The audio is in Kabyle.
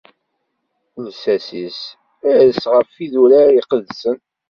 Lsas-is ires ɣef yidurar iqedsen.